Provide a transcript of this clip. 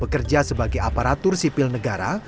bekerja sebagai aparatur sipil negara